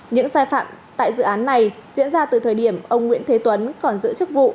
những sai phạm tại dự án này diễn ra từ thời điểm ông nguyễn thế tuấn còn giữ chức vụ